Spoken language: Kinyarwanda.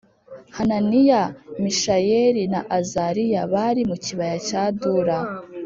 Hananiya Mishayeli na Azariya bari mu kibaya cya Dura